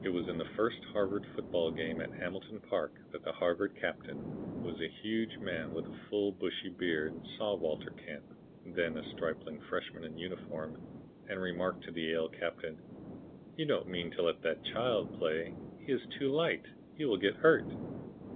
It was in the first Harvard football game at Hamilton Park that the Harvard captain, who was a huge man with a full, bushy beard, saw Walter Camp, then a stripling freshman in uniform, and remarked to the Yale Captain: "'You don't mean to let that child play; he is too light; he will get hurt.'